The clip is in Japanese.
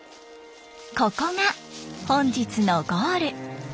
ここが本日のゴール。